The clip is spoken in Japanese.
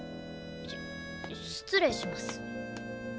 し失礼します。